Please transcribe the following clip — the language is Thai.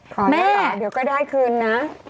ขอแล้วหรอเดี๋ยวก็ได้คืนนะแม่